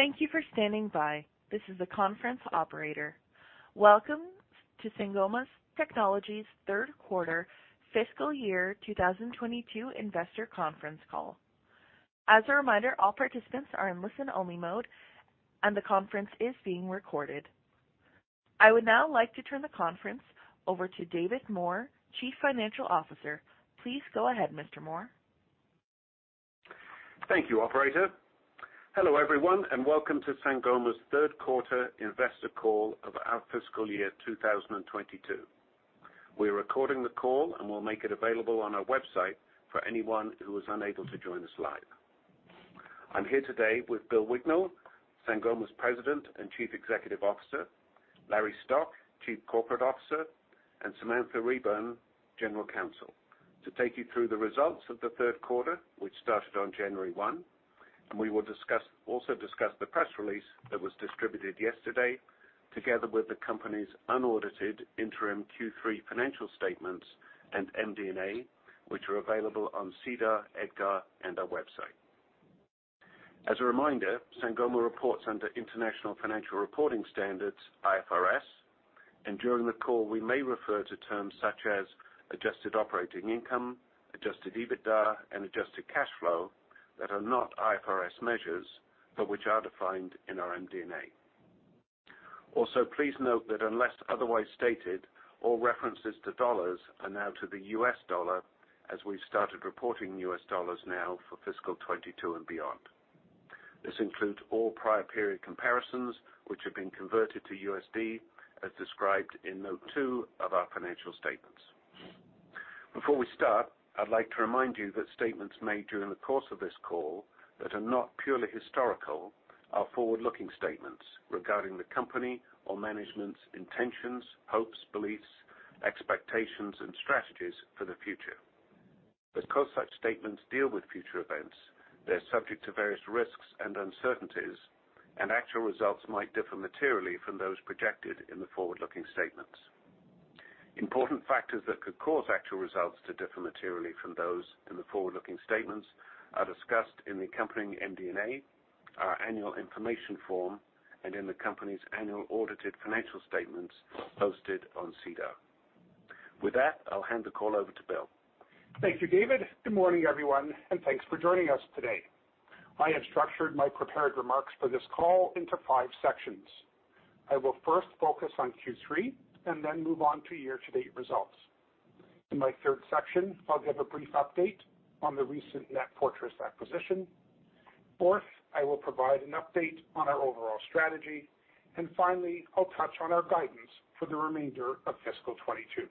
Thank you for standing by. This is the conference operator. Welcome to Sangoma Technologies Q3 fiscal year 2022 investor conference call. As a reminder, all participants are in listen-only mode, and the conference is being recorded. I would now like to turn the conference over to David Moore, Chief Financial Officer. Please go ahead, Mr. Moore. Thank you, operator. Hello, everyone, and welcome to Sangoma's Q3 investor call of our fiscal year 2022. We're recording the call, and we'll make it available on our website for anyone who was unable to join us live. I'm here today with Bill Wignall, Sangoma's President and Chief Executive Officer, Larry Stock, Chief Corporate Officer, and Samantha Reburn, General Counsel, to take you through the results of the Q3, which started on January 1, and we will also discuss the press release that was distributed yesterday together with the company's unaudited interim Q3 financial statements and MD&A, which are available on SEDAR, EDGAR, and our website. As a reminder, Sangoma reports under International Financial Reporting Standards, IFRS. During the call, we may refer to terms such as adjusted operating income, adjusted EBITDA, and adjusted cash flow that are not IFRS measures, but which are defined in our MD&A. Also, please note that unless otherwise stated, all references to dollars are now to the US dollar as we've started reporting U.S. dollars now for fiscal 2022 and beyond. This includes all prior period comparisons which have been converted to USD as described in note two of our financial statements. Before we start, I'd like to remind you that statements made during the course of this call that are not purely historical are forward-looking statements regarding the company or management's intentions, hopes, beliefs, expectations, and strategies for the future. Because such statements deal with future events, they're subject to various risks and uncertainties, and actual results might differ materially from those projected in the forward-looking statements. Important factors that could cause actual results to differ materially from those in the forward-looking statements are discussed in the accompanying MD&A, our annual information form, and in the company's annual audited financial statements posted on SEDAR. With that, I'll hand the call over to Bill. Thank you, David. Good morning, everyone, and thanks for joining us today. I have structured my prepared remarks for this call into five sections. I will first focus on Q3 and then move on to year-to-date results. In my third section, I'll give a brief update on the recent NetFortris acquisition. Fourth, I will provide an update on our overall strategy. Finally, I'll touch on our guidance for the remainder of fiscal 2022.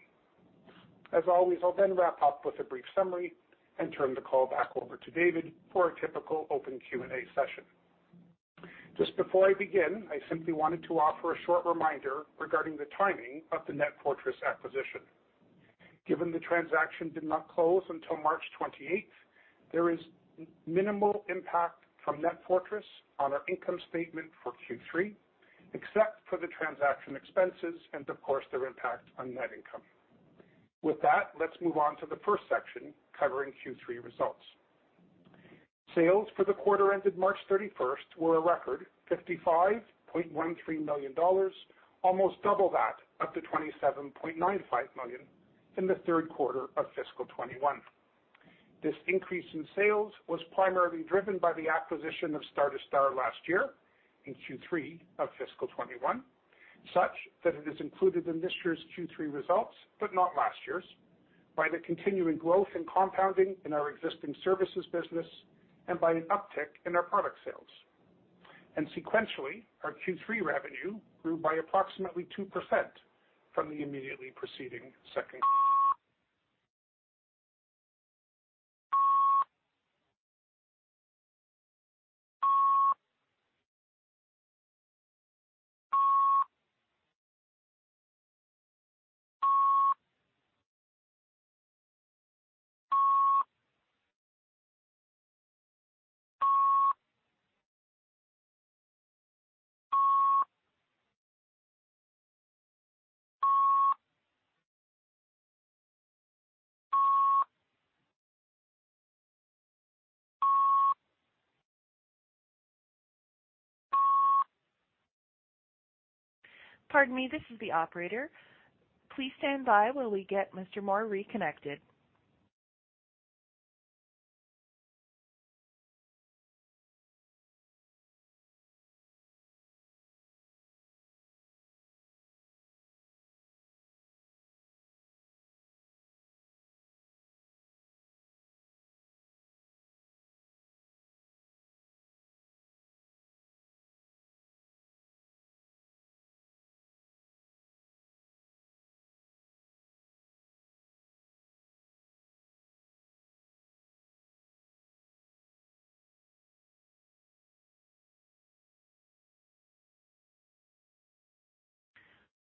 As always, I'll then wrap up with a brief summary and turn the call back over to David for a typical open Q&A session. Just before I begin, I simply wanted to offer a short reminder regarding the timing of the NetFortris acquisition. Given the transaction did not close until March 28th, there is minimal impact from NetFortris on our income statement for Q3, except for the transaction expenses and of course, their impact on net income. With that, let's move on to the first section covering Q3 results. Sales for the quarter ended March 31st were a record $55.13 million, almost double that up to $27.95 million in the Q3 of fiscal 2021. This increase in sales was primarily driven by the acquisition of Star2Star last year in Q3 of fiscal 2021, such that it is included in this year's Q3 results, but not last year's, by the continuing growth and compounding in our existing services business and by an uptick in our product sales. Sequentially, our Q3 revenue grew by approximately 2% from the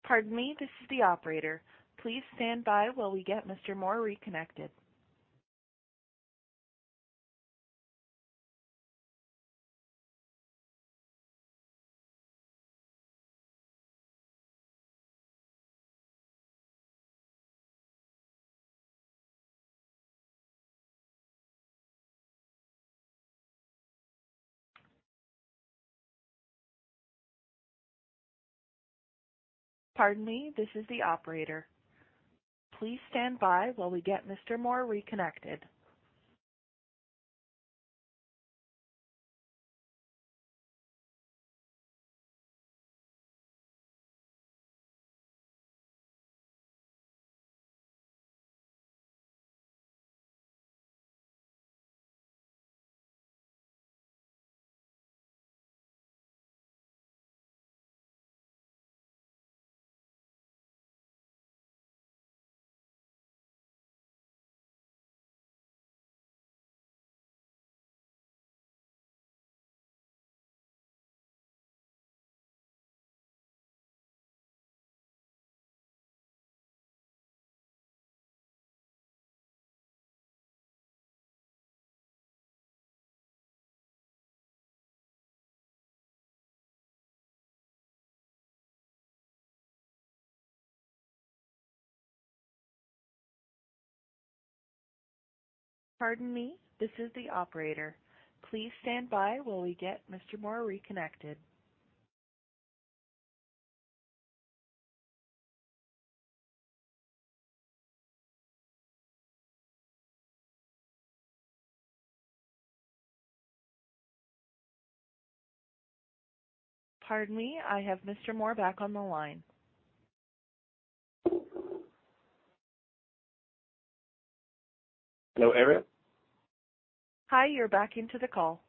immediately preceding second. Pardon me. This is the operator. Please stand by while we get Mr. Moore reconnected. Pardon me. I have Mr. Moore back on the line. Hello, Ariel. Hi, you're back into the call.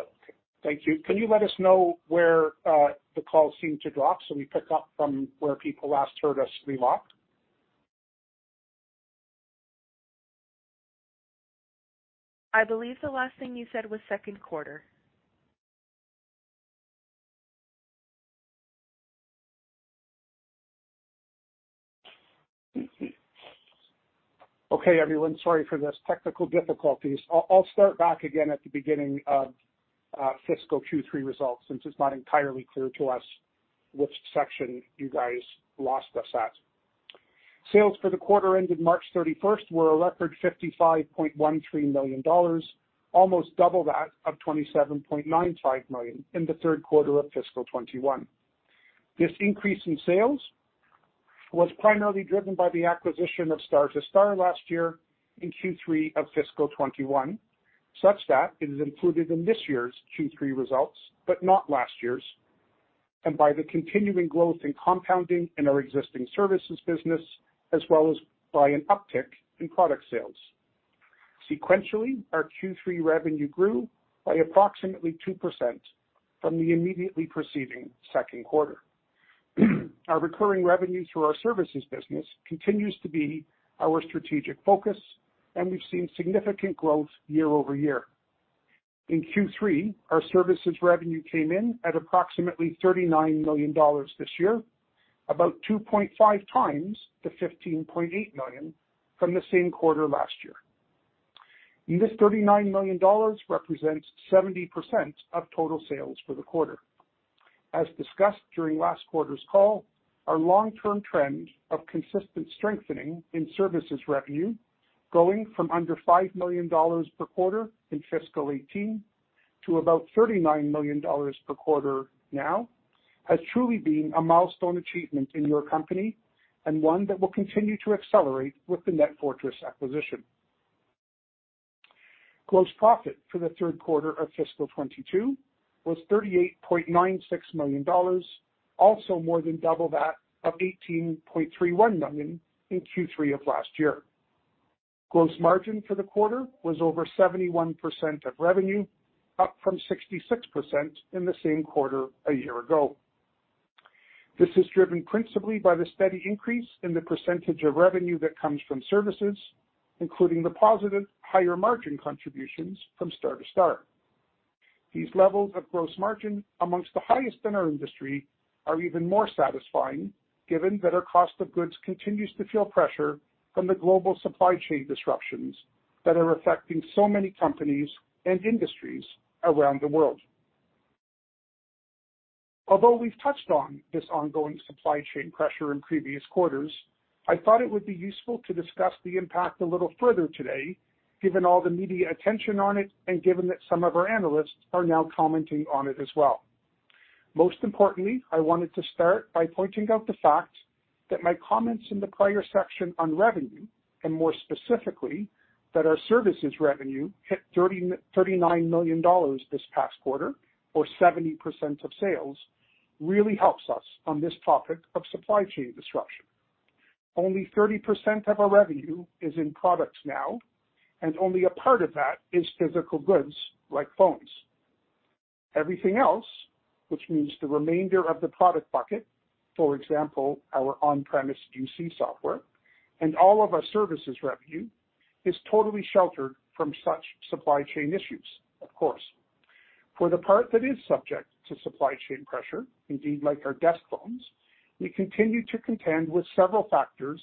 Okay, thank you. Can you let us know where the call seemed to drop so we pick up from where people last heard us relaunch? I believe the last thing you said was Q2. Okay, everyone. Sorry for these technical difficulties. I'll start back again at the beginning of fiscal Q3 results since it's not entirely clear to us which section you guys lost us at. Sales for the quarter ended March 31st were a record $55.13 million, almost double that of $27.95 million in the Q3 of fiscal 2021. This increase in sales was primarily driven by the acquisition of Star2Star last year in Q3 of fiscal 2021, such that it is included in this year's Q3 results, but not last year's, and by the continuing growth in compounding in our existing services business as well as by an uptick in product sales. Sequentially, our Q3 revenue grew by approximately 2% from the immediately preceding Q2. Our recurring revenue through our services business continues to be our strategic focus, and we've seen significant growth year over year. In Q3, our services revenue came in at approximately $39 million this year, about 2.5x the $15.8 million from the same quarter last year. This $39 million represents 70% of total sales for the quarter. As discussed during last quarter's call, our long-term trend of consistent strengthening in services revenue going from under $5 million per quarter in fiscal 2018 to about $39 million per quarter now has truly been a milestone achievement in your company and one that will continue to accelerate with the NetFortris acquisition. Gross profit for the Q3 of fiscal 2022 was $38.96 million, also more than double that of $18.31 million in Q3 of last year. Gross margin for the quarter was over 71% of revenue, up from 66% in the same quarter a year ago. This is driven principally by the steady increase in the percentage of revenue that comes from services, including the positive higher-margin contributions from Star2Star. These levels of gross margin amongst the highest in our industry are even more satisfying given that our cost of goods continues to feel pressure from the global supply chain disruptions that are affecting so many companies and industries around the world. Although we've touched on this ongoing supply chain pressure in previous quarters, I thought it would be useful to discuss the impact a little further today, given all the media attention on it and given that some of our analysts are now commenting on it as well. Most importantly, I wanted to start by pointing out the fact that my comments in the prior section on revenue, and more specifically, that our services revenue hit $39 million this past quarter, or 70% of sales, really helps us on this topic of supply chain disruption. Only 30% of our revenue is in products now, and only a part of that is physical goods like phones. Everything else, which means the remainder of the product bucket, for example, our on-premise UC software and all of our services revenue, is totally sheltered from such supply chain issues, of course. For the part that is subject to supply chain pressure, indeed like our desk phones, we continue to contend with several factors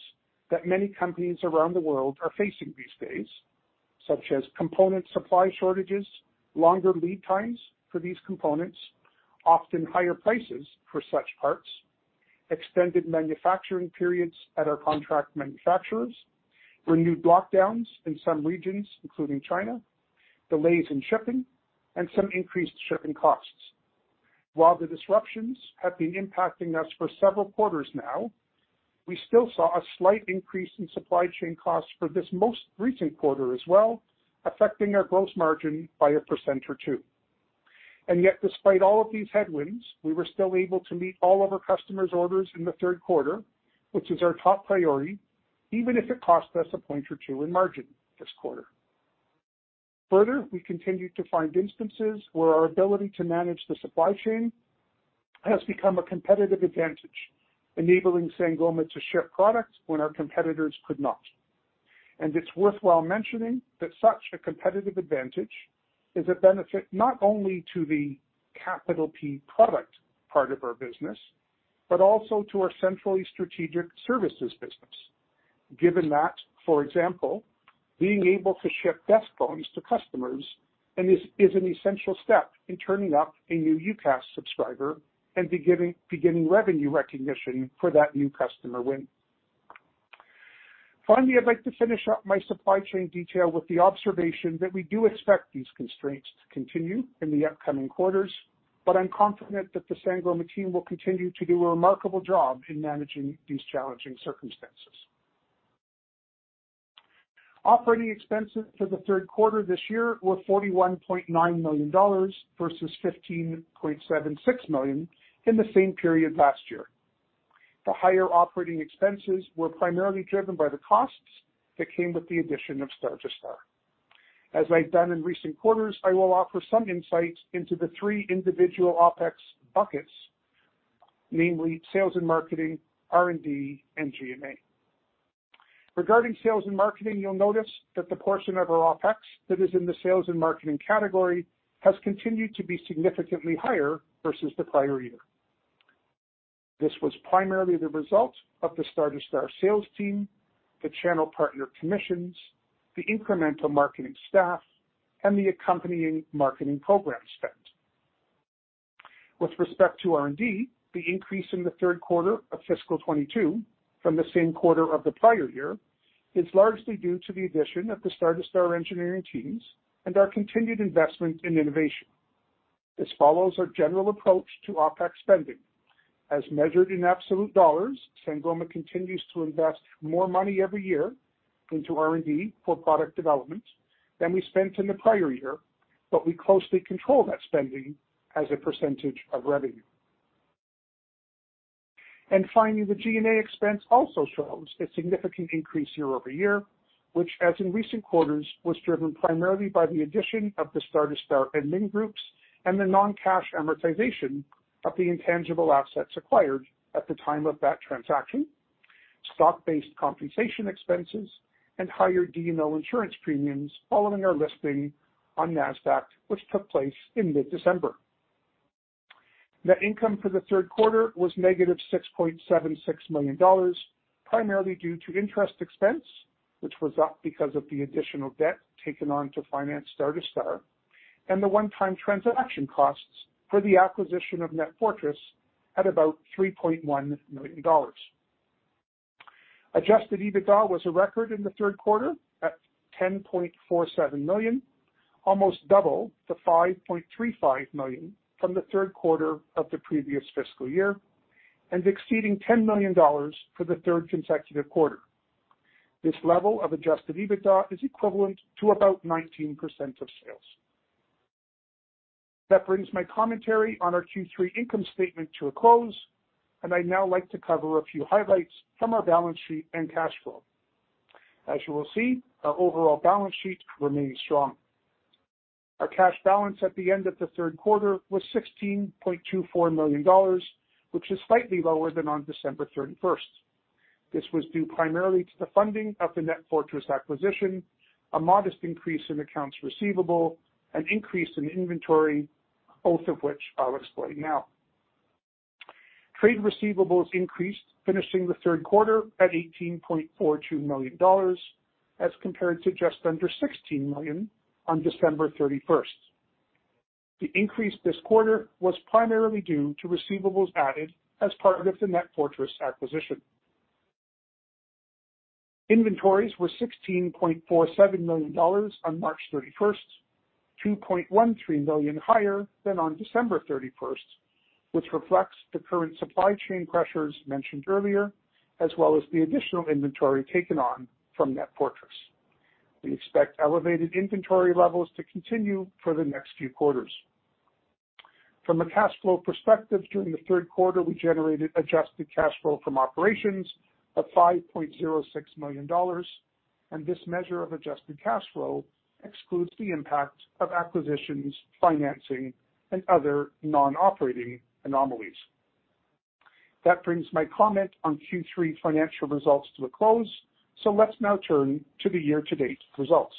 that many companies around the world are facing these days, such as component supply shortages, longer lead times for these components, often higher prices for such parts, extended manufacturing periods at our contract manufacturers, renewed lockdowns in some regions, including China, delays in shipping, and some increased shipping costs. While the disruptions have been impacting us for several quarters now, we still saw a slight increase in supply chain costs for this most recent quarter as well, affecting our gross margin by 1% or 2%. Yet, despite all of these headwinds, we were still able to meet all of our customers' orders in the Q3, which is our top priority, even if it costs us a point or two in margin this quarter. Further, we continue to find instances where our ability to manage the supply chain has become a competitive advantage, enabling Sangoma to ship products when our competitors could not. It's worthwhile mentioning that such a competitive advantage is a benefit not only to the capital P product part of our business, but also to our centrally strategic services business. Given that, for example, being able to ship desk phones to customers, and is an essential step in turning up a new UCaaS subscriber and beginning revenue recognition for that new customer win. Finally, I'd like to finish up my supply chain detail with the observation that we do expect these constraints to continue in the upcoming quarters, but I'm confident that the Sangoma team will continue to do a remarkable job in managing these challenging circumstances. Operating expenses for the Q3 this year were $41.9 million versus $15.76 million in the same period last year. The higher operating expenses were primarily driven by the costs that came with the addition of Star2Star. As I've done in recent quarters, I will offer some insights into the three individual OpEx buckets, namely sales and marketing, R&D, and G&A. Regarding sales and marketing, you'll notice that the portion of our OpEx that is in the sales and marketing category has continued to be significantly higher versus the prior year. This was primarily the result of the Star2Star sales team, the channel partner commissions, the incremental marketing staff, and the accompanying marketing program spend. With respect to R&D, the increase in the Q3 of fiscal 2022 from the same quarter of the prior year is largely due to the addition of the Star2Star engineering teams and our continued investment in innovation. This follows our general approach to OpEx spending. As measured in absolute dollars, Sangoma continues to invest more money every year into R&D for product development than we spent in the prior year, but we closely control that spending as a percentage of revenue. Finally, the G&A expense also shows a significant increase year-over-year, which, as in recent quarters, was driven primarily by the addition of the Star2Star admin groups and the non-cash amortization of the intangible assets acquired at the time of that transaction, stock-based compensation expenses, and higher D&O insurance premiums following our listing on Nasdaq, which took place in mid-December. Net income for the Q3 was -$6.76 million, primarily due to interest expense, which was up because of the additional debt taken on to finance Star2Star, and the one-time transaction costs for the acquisition of NetFortris at about $3.1 million. Adjusted EBITDA was a record in the Q3 at $10.47 million, almost double the $5.35 million from the Q3 of the previous fiscal year and exceeding $10 million for the third consecutive quarter. This level of adjusted EBITDA is equivalent to about 19% of sales. That brings my commentary on our Q3 income statement to a close, and I'd now like to cover a few highlights from our balance sheet and cash flow. As you will see, our overall balance sheet remains strong. Our cash balance at the end of the Q3 was $16.24 million, which is slightly lower than on December 31st. This was due primarily to the funding of the NetFortris acquisition, a modest increase in accounts receivable, an increase in inventory, both of which I'll explain now. Trade receivables increased, finishing the Q3 at $18.42 million, as compared to just under $16 million on December 31st. The increase this quarter was primarily due to receivables added as part of the NetFortris acquisition. Inventories were $16.47 million on March 31st, $2.13 million higher than on December 31st, which reflects the current supply chain pressures mentioned earlier, as well as the additional inventory taken on from NetFortris. We expect elevated inventory levels to continue for the next few quarters. From a cash flow perspective, during the Q3, we generated adjusted cash flow from operations of $5.06 million, and this measure of adjusted cash flow excludes the impact of acquisitions, financing, and other non-operating anomalies. That brings my comment on Q3 financial results to a close, so let's now turn to the year-to-date results.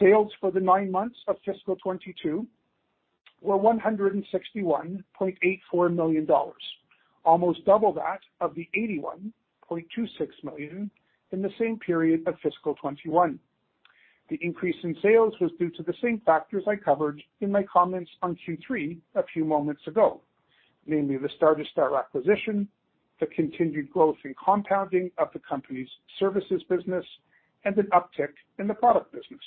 Sales for the nine months of fiscal 2022 were $161.84 million, almost double that of the $81.26 million in the same period of fiscal 2021. The increase in sales was due to the same factors I covered in my comments on Q3 a few moments ago, namely the Star2Star acquisition, the continued growth and compounding of the company's services business, and an uptick in the product business.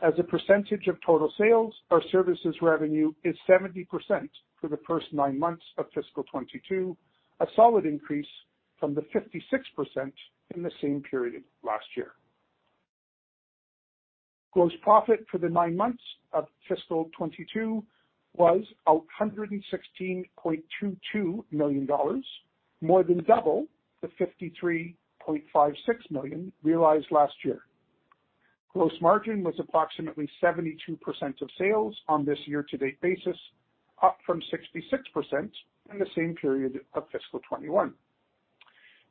As a percentage of total sales, our services revenue is 70% for the first nine months of fiscal 2022, a solid increase from the 56% in the same period last year. Gross profit for the nine months of fiscal 2022 was $116.22 million, more than double the $53.56 million realized last year. Gross margin was approximately 72% of sales on this year-to-date basis, up from 66% in the same period of fiscal 2021.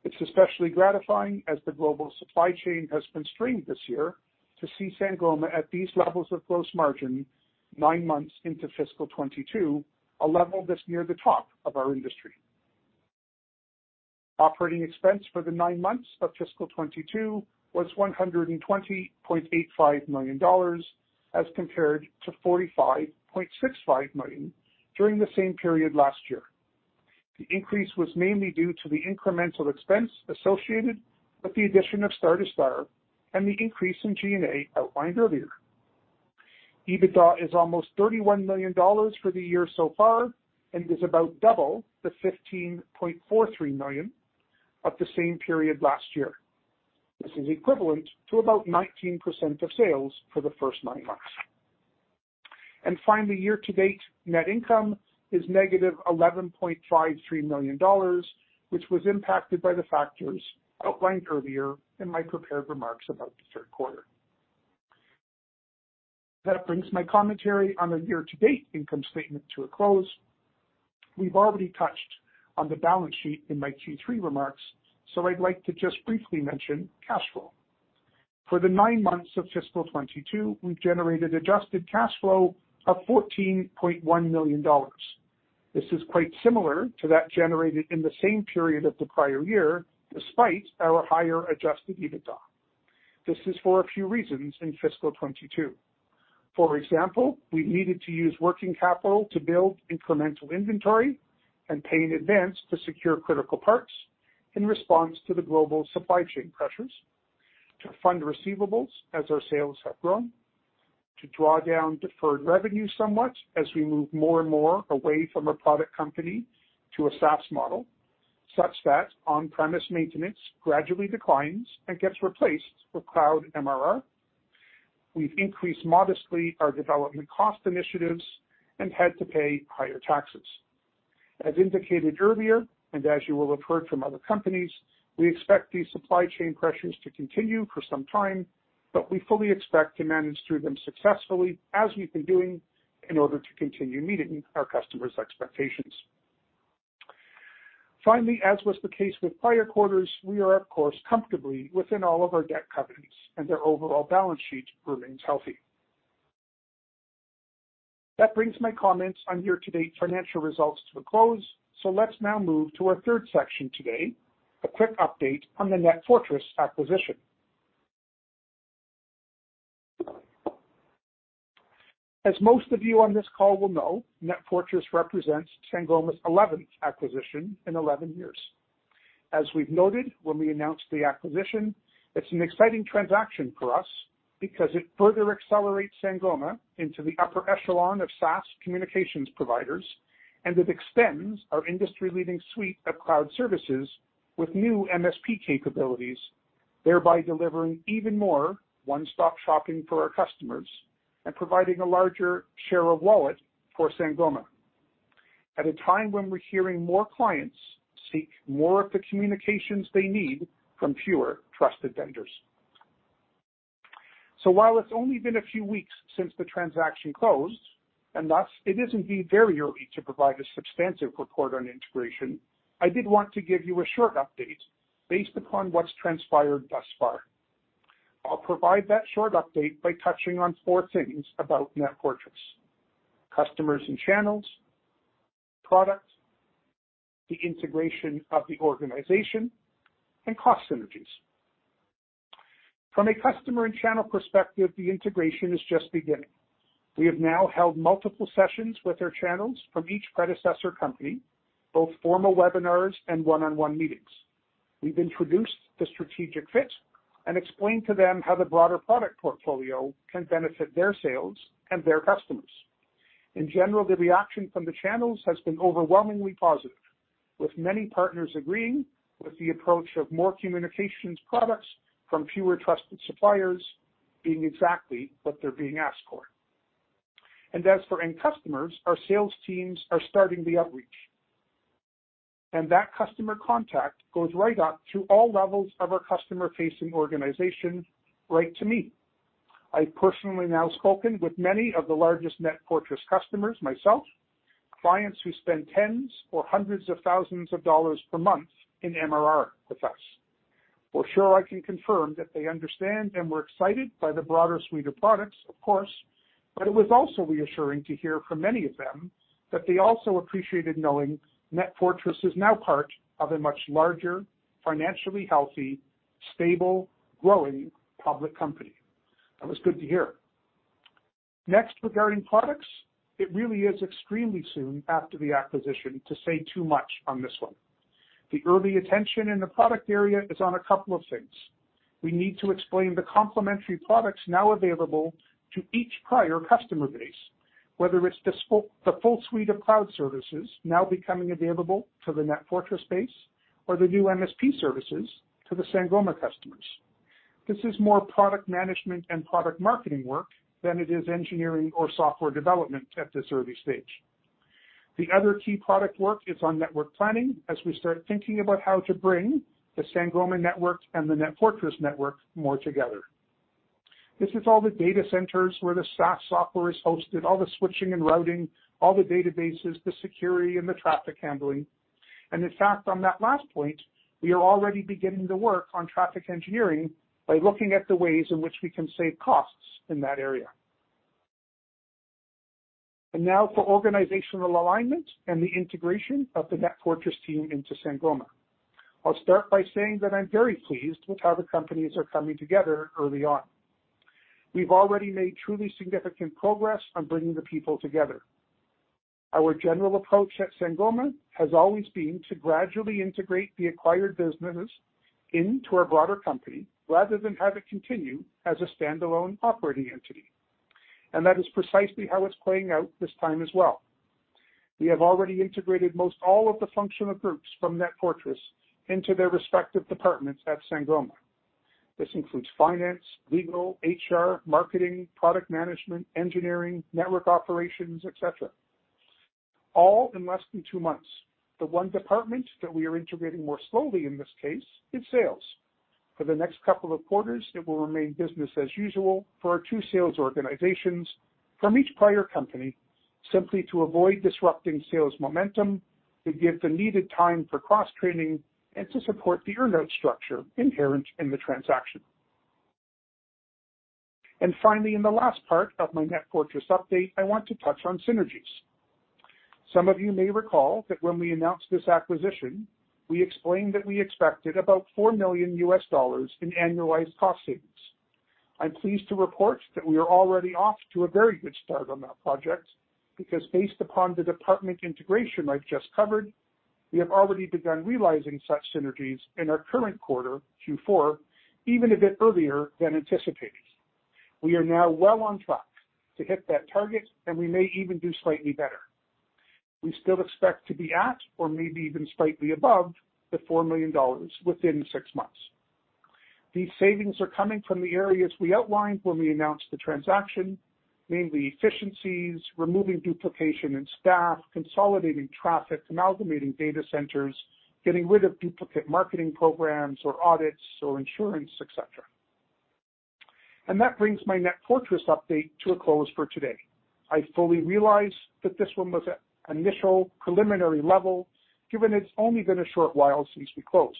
It's especially gratifying, as the global supply chain has been strained this year to see Sangoma at these levels of gross margin nine months into fiscal 2022, a level that's near the top of our industry. Operating expense for the nine months of fiscal 2022 was $120.85 million, as compared to $45.65 million during the same period last year. The increase was mainly due to the incremental expense associated with the addition of Star2Star and the increase in G&A outlined earlier. EBITDA is almost $31 million for the year so far, and is about double the $15.43 million of the same period last year. This is equivalent to about 19% of sales for the first nine months. Finally, year-to-date net income is negative $11.53 million, which was impacted by the factors outlined earlier in my prepared remarks about the Q3. That brings my commentary on the year-to-date income statement to a close. We've already touched on the balance sheet in my Q3 remarks, so I'd like to just briefly mention cash flow. For the nine months of fiscal 2022, we've generated adjusted cash flow of $14.1 million. This is quite similar to that generated in the same period of the prior year, despite our higher adjusted EBITDA. This is for a few reasons in fiscal 2022. For example, we needed to use working capital to build incremental inventory and pay in advance to secure critical parts in response to the global supply chain pressures to fund receivables as our sales have grown, to draw down deferred revenue somewhat as we move more and more away from a product company to a SaaS model, such that on-premise maintenance gradually declines and gets replaced with cloud MRR. We've increased modestly our development cost initiatives and had to pay higher taxes. As indicated earlier, and as you will have heard from other companies, we expect these supply chain pressures to continue for some time, but we fully expect to manage through them successfully as we've been doing in order to continue meeting our customers' expectations. Finally, as was the case with prior quarters, we are of course comfortably within all of our debt covenants, and their overall balance sheet remains healthy. That brings my comments on year-to-date financial results to a close. Let's now move to our third section today, a quick update on the NetFortris acquisition. As most of you on this call will know, NetFortris represents Sangoma's eleventh acquisition in eleven years. As we've noted when we announced the acquisition, it's an exciting transaction for us because it further accelerates Sangoma into the upper echelon of SaaS communications providers. It extends our industry-leading suite of cloud services with new MSP capabilities, thereby delivering even more one-stop shopping for our customers and providing a larger share of wallet for Sangoma. At a time when we're hearing more clients seek more of the communications they need from fewer trusted vendors. While it's only been a few weeks since the transaction closed, and thus it is indeed very early to provide a substantive report on integration, I did want to give you a short update based upon what's transpired thus far. I'll provide that short update by touching on four things about NetFortris, customers and channels, product, the integration of the organization, and cost synergies. From a customer and channel perspective, the integration is just beginning. We have now held multiple sessions with our channels from each predecessor company, both formal webinars and one-on-one meetings. We've introduced the strategic fit and explained to them how the broader product portfolio can benefit their sales and their customers. In general, the reaction from the channels has been overwhelmingly positive, with many partners agreeing with the approach of more communications products from fewer trusted suppliers being exactly what they're being asked for. As for end customers, our sales teams are starting the outreach, and that customer contact goes right up to all levels of our customer-facing organization, right to me. I've personally now spoken with many of the largest NetFortris customers myself, clients who spend tens or hundreds of thousands of dollars per month in MRR with us. For sure I can confirm that they understand and were excited by the broader suite of products, of course. It was also reassuring to hear from many of them that they also appreciated knowing NetFortris is now part of a much larger, financially healthy, stable, growing public company. That was good to hear. Next, regarding products, it really is extremely soon after the acquisition to say too much on this one. The early attention in the product area is on a couple of things. We need to explain the complementary products now available to each prior customer base, whether it's the full suite of cloud services now becoming available to the NetFortris base or the new MSP services to the Sangoma customers. This is more product management and product marketing work than it is engineering or software development at this early stage. The other key product work is on network planning as we start thinking about how to bring the Sangoma network and the NetFortris network more together. This is all the data centers where the SaaS software is hosted, all the switching and routing, all the databases, the security and the traffic handling. In fact, on that last point, we are already beginning the work on traffic engineering by looking at the ways in which we can save costs in that area. Now for organizational alignment and the integration of the NetFortris team into Sangoma. I'll start by saying that I'm very pleased with how the companies are coming together early on. We've already made truly significant progress on bringing the people together. Our general approach at Sangoma has always been to gradually integrate the acquired businesses into our broader company rather than have it continue as a standalone operating entity. That is precisely how it's playing out this time as well. We have already integrated most all of the functional groups from NetFortris into their respective departments at Sangoma. This includes finance, legal, HR, marketing, product management, engineering, network operations, et cetera. All in less than two months. The one department that we are integrating more slowly in this case is sales. For the next couple of quarters, it will remain business as usual for our two sales organizations from each prior company, simply to avoid disrupting sales momentum, to give the needed time for cross-training, and to support the earn-out structure inherent in the transaction. Finally, in the last part of my NetFortris update, I want to touch on synergies. Some of you may recall that when we announced this acquisition, we explained that we expected about $4 million in annualized cost savings. I'm pleased to report that we are already off to a very good start on that project because based upon the department integration I've just covered, we have already begun realizing such synergies in our current quarter, Q4, even a bit earlier than anticipated. We are now well on track to hit that target, and we may even do slightly better. We still expect to be at or maybe even slightly above $4 million within six months. These savings are coming from the areas we outlined when we announced the transaction, namely efficiencies, removing duplication in staff, consolidating traffic, amalgamating data centers, getting rid of duplicate marketing programs or audits or insurance, et cetera. That brings my NetFortris update to a close for today. I fully realize that this one was at initial preliminary level, given it's only been a short while since we closed.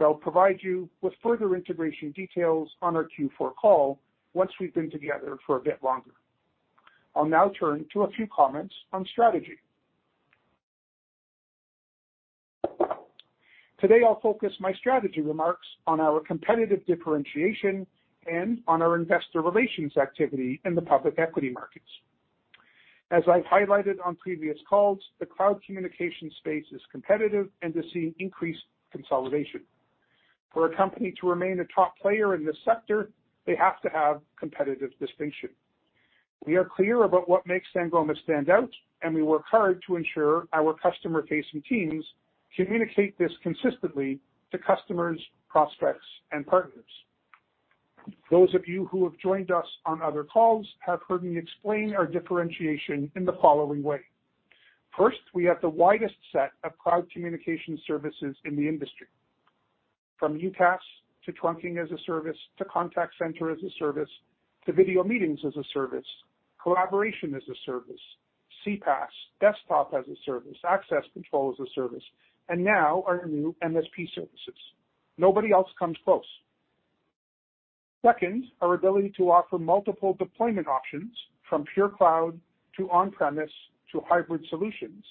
I'll provide you with further integration details on our Q4 call once we've been together for a bit longer. I'll now turn to a few comments on strategy. Today, I'll focus my strategy remarks on our competitive differentiation and on our investor relations activity in the public equity markets. As I've highlighted on previous calls, the cloud communication space is competitive and is seeing increased consolidation. For a company to remain a top player in this sector, they have to have competitive distinction. We are clear about what makes Sangoma stand out, and we work hard to ensure our customer-facing teams communicate this consistently to customers, prospects, and partners. Those of you who have joined us on other calls have heard me explain our differentiation in the following way. First, we have the widest set of cloud communication services in the industry, from UCaaS to Trunking as a Service, to Contact Center as a Service, to Video Meetings as a Service, Collaboration as a Service, CPaaS, Desktop as a Service, Access Control as a Service, and now our new MSP services. Nobody else comes close. Second, our ability to offer multiple deployment options from pure cloud to on-premise to hybrid solutions,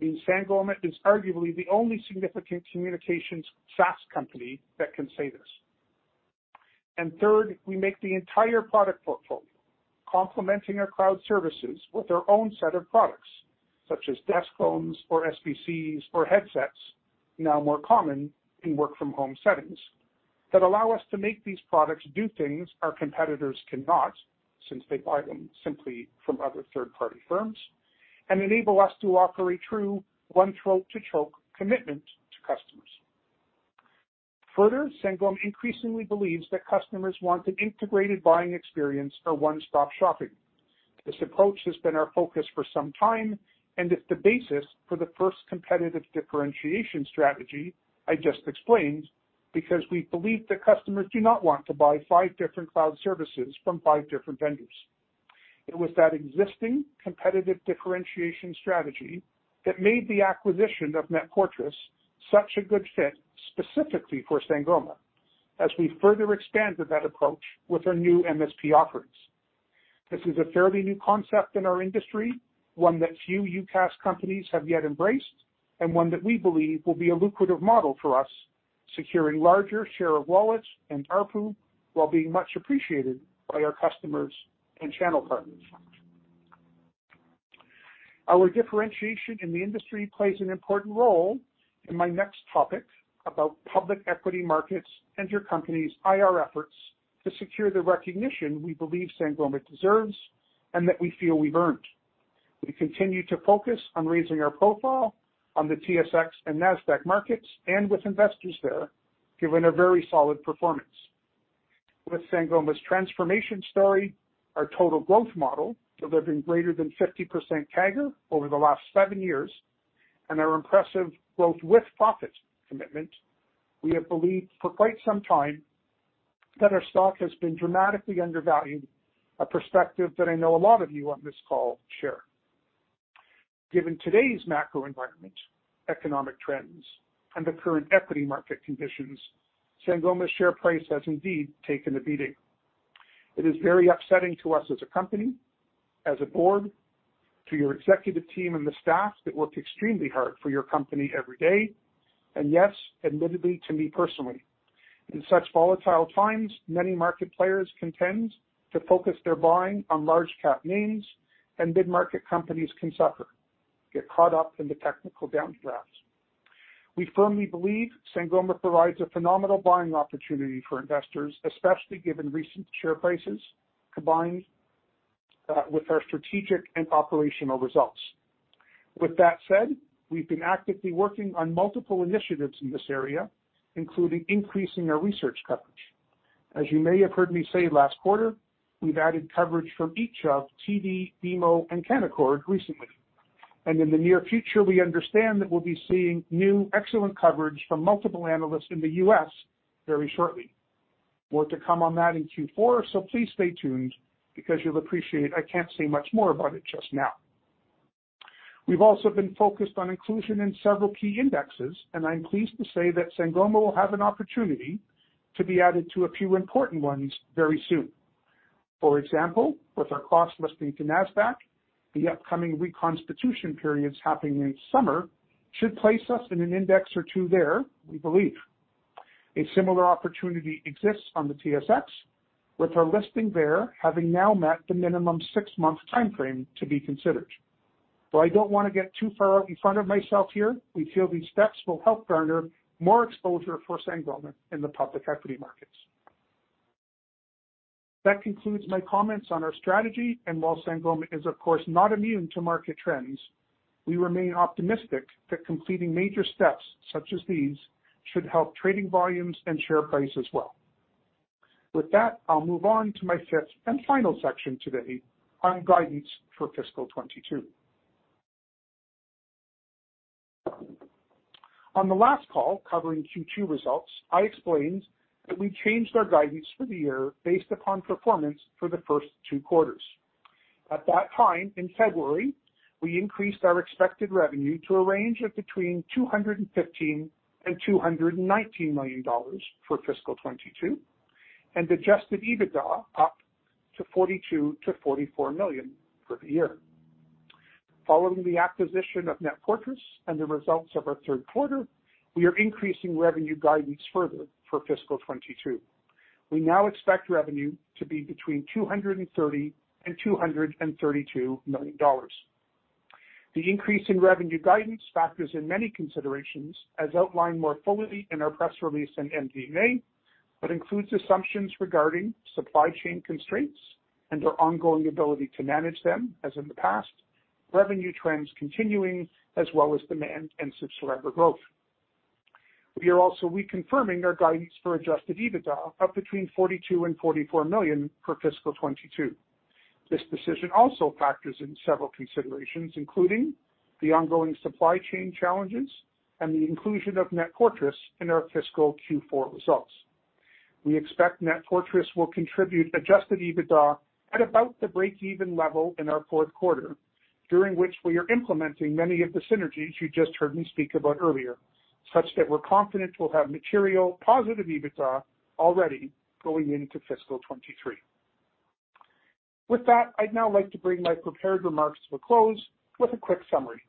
means Sangoma is arguably the only significant communications SaaS company that can say this. Third, we make the entire product portfolio, complementing our cloud services with our own set of products, such as desk phones or SBCs or headsets, now more common in work-from-home settings, that allow us to make these products do things our competitors cannot, since they buy them simply from other third-party firms, and enable us to offer a true one-throat-to-choke commitment to customers. Further, Sangoma increasingly believes that customers want an integrated buying experience or one-stop shopping. This approach has been our focus for some time and is the basis for the first competitive differentiation strategy I just explained, because we believe that customers do not want to buy five different cloud services from five different vendors. It was that existing competitive differentiation strategy that made the acquisition of NetFortris such a good fit, specifically for Sangoma. As we further expand with that approach with our new MSP offerings. This is a fairly new concept in our industry, one that few UCaaS companies have yet embraced, and one that we believe will be a lucrative model for us, securing larger share of wallets and ARPU, while being much appreciated by our customers and channel partners. Our differentiation in the industry plays an important role in my next topic about public equity markets and your company's IR efforts to secure the recognition we believe Sangoma deserves and that we feel we've earned. We continue to focus on raising our profile on the TSX and Nasdaq markets and with investors there, given a very solid performance. With Sangoma's transformation story, our total growth model, delivering greater than 50% CAGR over the last seven years, and our impressive growth with profit commitment, we have believed for quite some time that our stock has been dramatically undervalued, a perspective that I know a lot of you on this call share. Given today's macro environment, economic trends, and the current equity market conditions, Sangoma's share price has indeed taken a beating. It is very upsetting to us as a company, as a board, to your executive team and the staff that work extremely hard for your company every day, and yes, admittedly, to me personally. In such volatile times, many market players contend to focus their buying on large cap names and mid-market companies can suffer, get caught up in the technical downdrafts. We firmly believe Sangoma provides a phenomenal buying opportunity for investors, especially given recent share prices combined with our strategic and operational results. With that said, we've been actively working on multiple initiatives in this area, including increasing our research coverage. As you may have heard me say last quarter, we've added coverage from each of TD, BMO and Canaccord recently. In the near future, we understand that we'll be seeing new excellent coverage from multiple analysts in the U.S. very shortly. More to come on that in Q4, so please stay tuned because you'll appreciate I can't say much more about it just now. We've also been focused on inclusion in several key indexes, and I'm pleased to say that Sangoma will have an opportunity to be added to a few important ones very soon. For example, with our cross-listing to Nasdaq, the upcoming reconstitution periods happening in summer should place us in an index or two there, we believe. A similar opportunity exists on the TSX, with our listing there having now met the minimum six-month time frame to be considered. Though I don't wanna get too far out in front of myself here, we feel these steps will help garner more exposure for Sangoma in the public equity markets. That concludes my comments on our strategy, and while Sangoma is of course not immune to market trends, we remain optimistic that completing major steps such as these should help trading volumes and share price as well. With that, I'll move on to my fifth and final section today on guidance for fiscal 2022. On the last call covering Q2 results, I explained that we changed our guidance for the year based upon performance for the first two quarters. At that time, in February, we increased our expected revenue to a range of between $215 million and $219 million for fiscal 2022, and adjusted EBITDA up to $42 million-$44 million for the year. Following the acquisition of NetFortris and the results of our Q3, we are increasing revenue guidance further for fiscal 2022. We now expect revenue to be between $230 million and $232 million. The increase in revenue guidance factors in many considerations, as outlined more fully in our press release and MD&A, but includes assumptions regarding supply chain constraints and our ongoing ability to manage them as in the past, revenue trends continuing, as well as demand and subscriber growth. We are also reconfirming our guidance for adjusted EBITDA of between $42 million and $44 million for fiscal 2022. This decision also factors in several considerations, including the ongoing supply chain challenges and the inclusion of NetFortris in our fiscal Q4 results. We expect NetFortris will contribute adjusted EBITDA at about the break-even level in our Q4, during which we are implementing many of the synergies you just heard me speak about earlier, such that we're confident we'll have material positive EBITDA already going into fiscal 2023. With that, I'd now like to bring my prepared remarks to a close with a quick summary.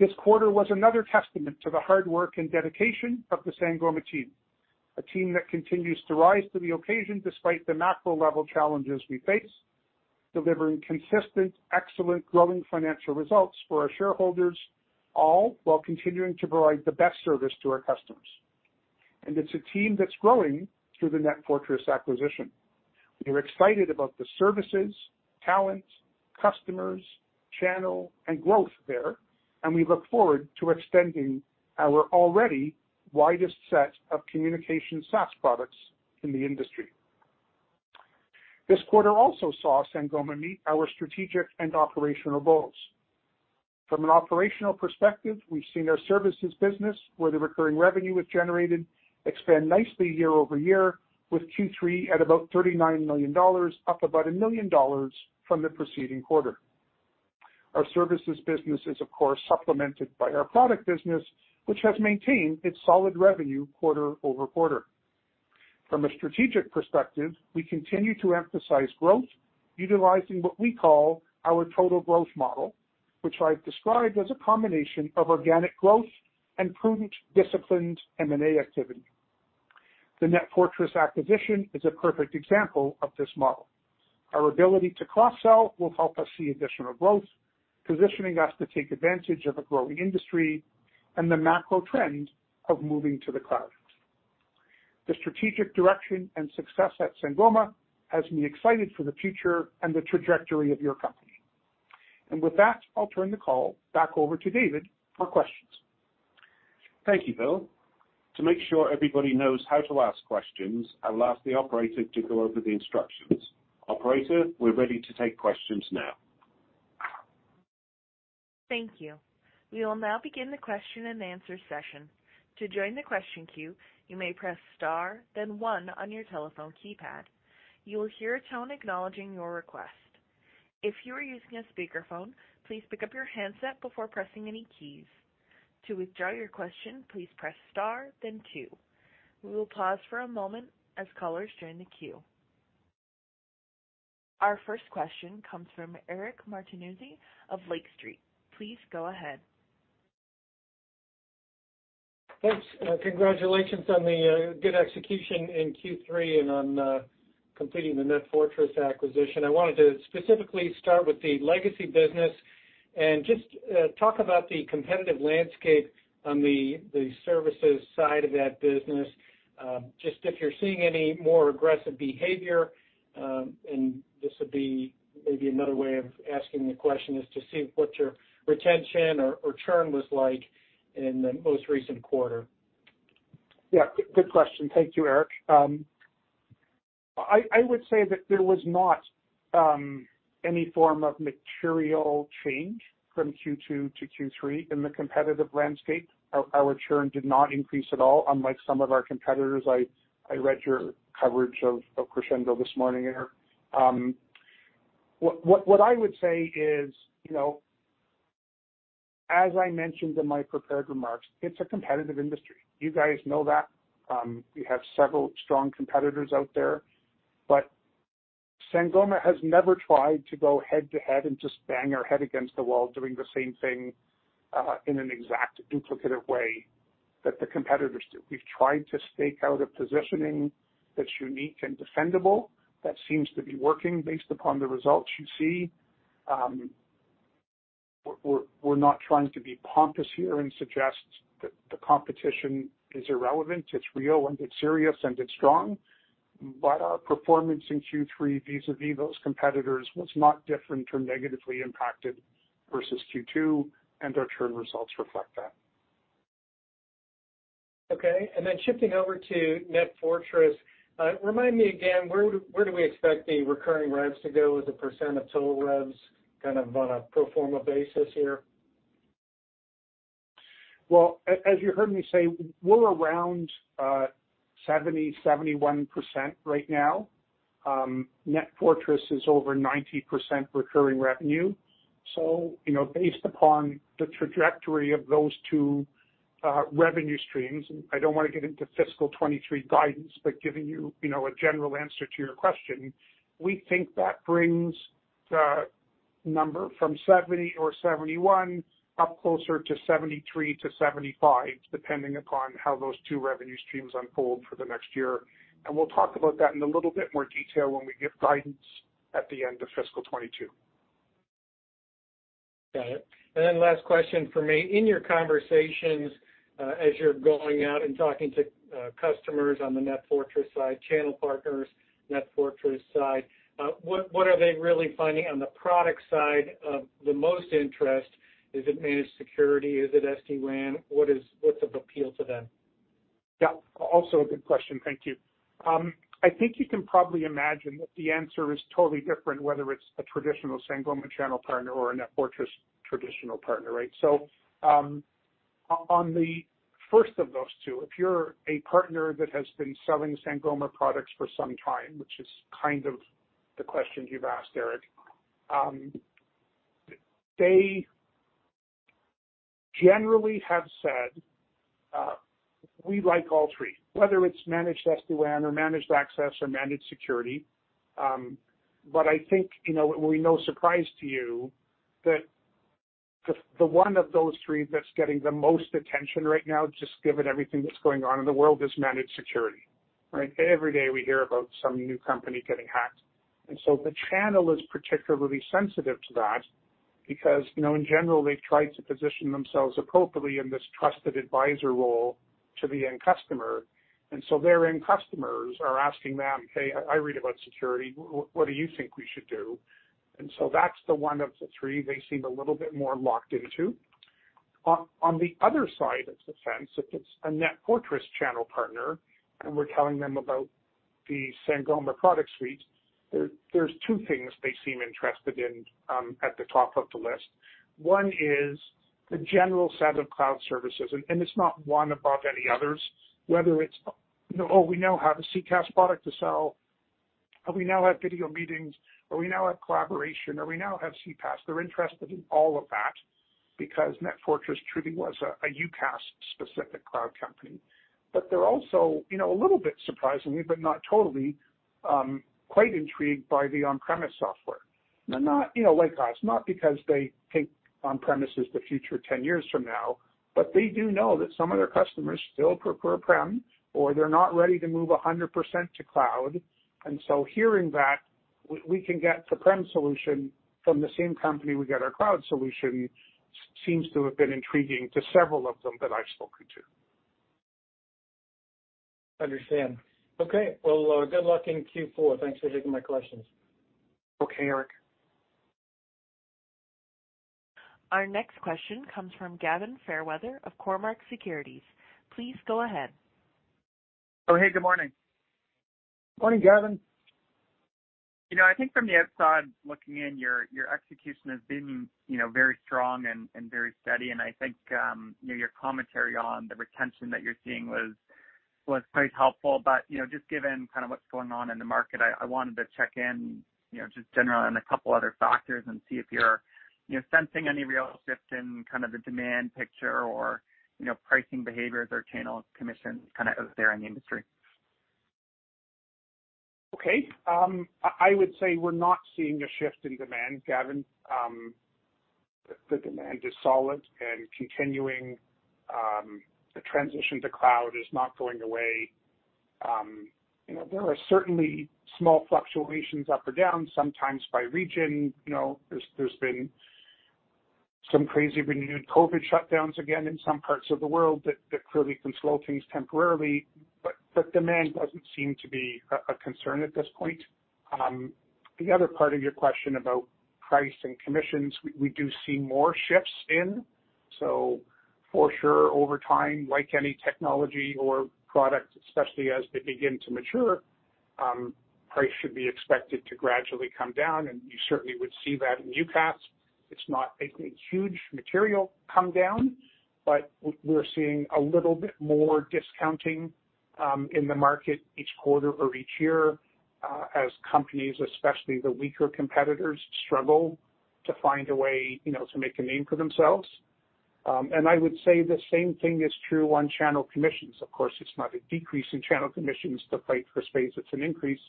This quarter was another testament to the hard work and dedication of the Sangoma team, a team that continues to rise to the occasion despite the macro level challenges we face, delivering consistent, excellent growing financial results for our shareholders, all while continuing to provide the best service to our customers. It's a team that's growing through the NetFortris acquisition. We are excited about the services, talent, customers, channel, and growth there, and we look forward to extending our already widest set of communication SaaS products in the industry. This quarter also saw Sangoma meet our strategic and operational goals. From an operational perspective, we've seen our services business, where the recurring revenue is generated, expand nicely year-over-year with Q3 at about $39 million, up about $1 million from the preceding quarter. Our services business is of course supplemented by our product business, which has maintained its solid revenue quarter-over-quarter. From a strategic perspective, we continue to emphasize growth utilizing what we call our total growth model, which I've described as a combination of organic growth and prudent, disciplined M&A activity. The NetFortris acquisition is a perfect example of this model. Our ability to cross-sell will help us see additional growth, positioning us to take advantage of a growing industry and the macro trend of moving to the cloud. The strategic direction and success at Sangoma has me excited for the future and the trajectory of your company. With that, I'll turn the call back over to David for questions. Thank you, Bill. To make sure everybody knows how to ask questions, I'll ask the operator to go over the instructions. Operator, we're ready to take questions now. Thank you. We will now begin the question and answer session. To join the question queue, you may press star then one on your telephone keypad. You will hear a tone acknowledging your request. If you are using a speakerphone, please pick up your handset before pressing any keys. To withdraw your question, please press star then two. We will pause for a moment as callers join the queue. Our first question comes from Eric Martinuzzi of Lake Street. Please go ahead. Thanks, and congratulations on the good execution in Q3 and on completing the NetFortris acquisition. I wanted to specifically start with the legacy business and just talk about the competitive landscape on the services side of that business. Just if you're seeing any more aggressive behavior, and this would be maybe another way of asking the question, is to see what your retention or churn was like in the most recent quarter. Yeah, good question. Thank you, Eric. I would say that there was not any form of material change from Q2 to Q3 in the competitive landscape. Our churn did not increase at all unlike some of our competitors. I read your coverage of Crexendo this morning, Eric. What I would say is, you know, as I mentioned in my prepared remarks, it's a competitive industry. You guys know that. We have several strong competitors out there, but Sangoma has never tried to go head to head and just bang our head against the wall doing the same thing in an exact duplicative way that the competitors do. We've tried to stake out a positioning that's unique and defendable that seems to be working based upon the results you see. We're not trying to be pompous here and suggest that the competition is irrelevant. It's real, and it's serious, and it's strong. Our performance in Q3 vis-a-vis those competitors was not different or negatively impacted versus Q2, and our churn results reflect that. Shifting over to NetFortris, remind me again, where do we expect the recurring revs to go as a percent of total revs kind of on a pro forma basis here? Well, as you heard me say, we're around 70%-71% right now. NetFortris is over 90% recurring revenue. You know, based upon the trajectory of those two revenue streams, I don't wanna get into fiscal 2023 guidance, but giving you know, a general answer to your question, we think that brings the number from 70% or 71% up closer to 73%-75%, depending upon how those two revenue streams unfold for the next year. We'll talk about that in a little bit more detail when we give guidance at the end of fiscal 2022. Got it. Last question from me. In your conversations, as you're going out and talking to, customers on the NetFortris side, channel partners, NetFortris side, what are they really finding on the product side of the most interest? Is it Managed Security? Is it SD-WAN? What's of appeal to them? Yeah. Also a good question. Thank you. I think you can probably imagine that the answer is totally different, whether it's a traditional Sangoma channel partner or a NetFortris traditional partner, right? On the first of those two, if you're a partner that has been selling Sangoma products for some time, which is kind of the question you've asked, Eric, they generally have said, "We like all three," whether it's Managed SD-WAN or Managed Access or Managed Security. I think, you know, it will be no surprise to you that the one of those three that's getting the most attention right now, just given everything that's going on in the world, is Managed Security, right? Every day we hear about some new company getting hacked, and so the channel is particularly sensitive to that because, you know, in general, they've tried to position themselves appropriately in this trusted advisor role to the end customer. Their end customers are asking them, "Hey, I read about security. What do you think we should do?" That's the one of the three they seem a little bit more locked into. On the other side of the fence, if it's a NetFortris channel partner and we're telling them about the Sangoma product suite, there's two things they seem interested in at the top of the list. One is the general set of cloud services, and it's not one above any others. Whether it's, you know, oh, we now have CCaaS. Oh, we now have video meetings or we now have collaboration, or we now have CPaaS. They're interested in all of that because NetFortris truly was a UCaaS-specific cloud company. But they're also, you know, a little bit surprisingly but not totally, quite intrigued by the on-premise software. Now, not, you know, like us, not because they think on-premise is the future ten years from now, but they do know that some of their customers still prefer prem or they're not ready to move 100% to cloud. Hearing that we can get the prem solution from the same company we get our cloud solution seems to have been intriguing to several of them that I've spoken to. Understand. Okay. Well, good luck in Q4. Thanks for taking my questions. Okay, Eric. Our next question comes from Gavin Fairweather of Cormark Securities. Please go ahead. Oh, hey, good morning. Morning, Gavin. You know, I think from the outside looking in, your execution has been, you know, very strong and very steady. I think you know, your commentary on the retention that you're seeing was quite helpful. You know, just given kind of what's going on in the market, I wanted to check in, you know, just generally on a couple other factors and see if you're, you know, sensing any real shift in kind of the demand picture or, you know, pricing behaviors or channel commissions kinda out there in the industry. I would say we're not seeing a shift in demand, Gavin. The demand is solid and continuing. The transition to cloud is not going away. You know, there are certainly small fluctuations up or down sometimes by region. You know, there's been some crazy renewed COVID shutdowns again in some parts of the world that clearly can slow things temporarily, but demand doesn't seem to be a concern at this point. The other part of your question about price and commissions, we do see more shifts in. For sure, over time, like any technology or product, especially as they begin to mature, price should be expected to gradually come down, and you certainly would see that in UCaaS. It's not a huge material come down, but we're seeing a little bit more discounting in the market each quarter or each year, as companies, especially the weaker competitors, struggle to find a way, you know, to make a name for themselves. I would say the same thing is true on channel commissions. Of course, it's not a decrease in channel commissions to fight for space, it's an increase.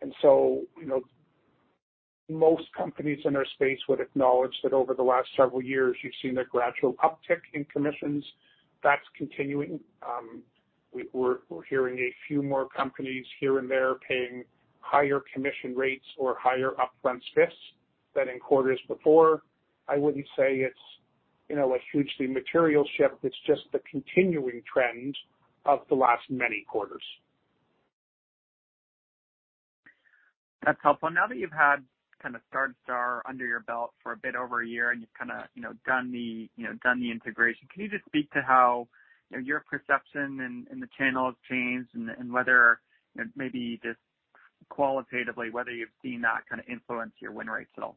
You know, most companies in our space would acknowledge that over the last several years you've seen a gradual uptick in commissions. That's continuing. We're hearing a few more companies here and there paying higher commission rates or higher upfront SPIFs than in quarters before. I wouldn't say it's, you know, a hugely material shift. It's just the continuing trend of the last many quarters. That's helpful. Now that you've had kinda Star2Star under your belt for a bit over a year, and you've kinda, you know, done the integration, can you just speak to how, you know, your perception in the channel has changed and whether, you know, maybe just qualitatively whether you've seen that kinda influence your win rates at all?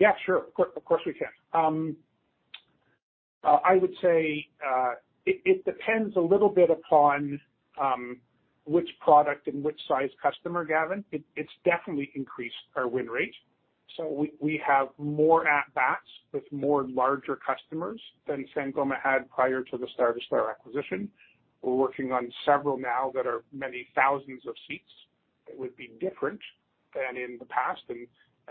Yeah, sure. Of course we can. I would say it depends a little bit upon which product and which size customer, Gavin. It's definitely increased our win rate. We have more at bats with more larger customers than Sangoma had prior to the Star2Star acquisition. We're working on several now that are many thousands of seats. It would be different than in the past.